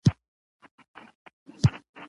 وطن بېغمه له محتسبه